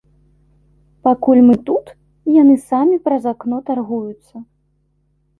Пакуль мы тут, яны самі праз акно таргуюцца.